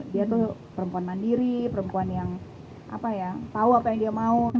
dia tuh perempuan mandiri perempuan yang tahu apa yang dia mau